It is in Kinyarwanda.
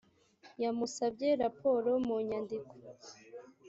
yamusabye raporo mu nyandiko